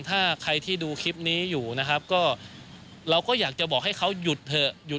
ถ้าใครที่ดูคลิปนี้อยู่นะครับก็เราก็อยากจะบอกให้เขาหยุดเถอะหยุด